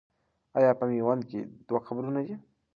آیا په میوند کې دوه قبرونه دي؟